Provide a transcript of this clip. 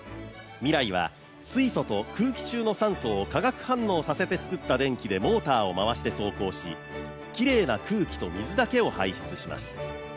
ＭＩＲＡＩは水素と空気中の酸素を化学反応させて作った電気でモーターを回して走行し、きれいな空気と水だけを排出します。